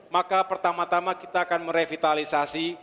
maka pertama tama kita akan merevitalisasi